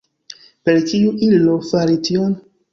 Per kiu ilo fari tion?